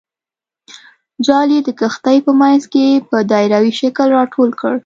جال یې د کښتۍ په منځ کې په دایروي شکل راټول کړ.